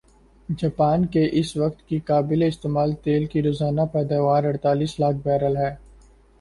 Japan کی اس وقت کی قابل استعمال تیل کی روزانہ پیداواراڑتالیس لاکھ بیرل ھے